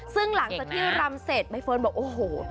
ซึ่งหลังจากที่รำเสร็จใบเฟิร์นบอกโอ้โห